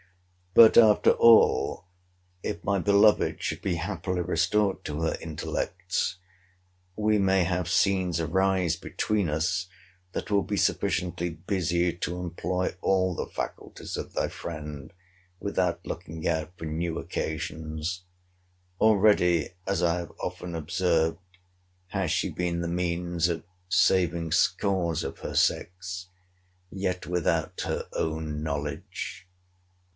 But, after all, if my beloved should be happily restored to her intellects, we may have scenes arise between us that will be sufficiently busy to employ all the faculties of thy friend, without looking out for new occasions. Already, as I have often observed, has she been the means of saving scores of her sex, yet without her own knowledge.